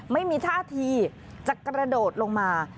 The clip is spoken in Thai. ไม่มีท่าทีจะกระโดดลงมา